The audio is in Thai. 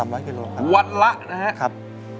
วัดละนะครับ